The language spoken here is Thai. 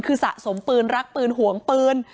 คือสะสมปืนรักปืนหวงปืน